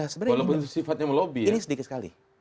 sebenarnya ini sedikit sekali